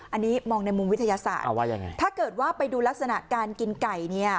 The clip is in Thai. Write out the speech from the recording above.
อันนี้มองในมุมวิทยาศาสตร์เอาว่ายังไงถ้าเกิดว่าไปดูลักษณะการกินไก่เนี่ย